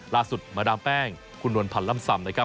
มาดามแป้งคุณนวลพันธ์ล่ำซำนะครับ